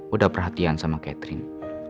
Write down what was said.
udah perhatian sama catherine